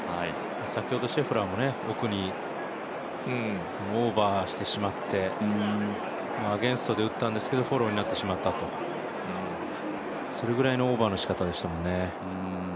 先ほどシェフラーも奥にオーバーしてしまって、アゲンストで打ったんですけどフォローになってしまったとそれぐらいのオーバーのしかたでしたもんね。